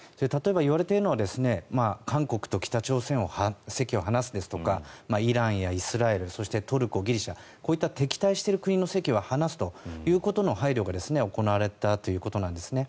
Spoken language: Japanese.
例えば言われているのは韓国と北朝鮮の席を離すですとかイランやイスラエルそして、トルコ、ギリシャこうした敵対している国の席は離すという配慮が行われたということなんですね。